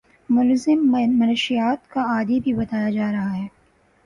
ملزم مشیات کا عادی بھی بتایا جا رہا ہے